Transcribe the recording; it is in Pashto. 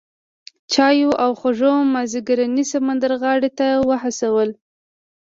چایو او خوږو مازیګرنۍ سمندرغاړې ته وهڅولو.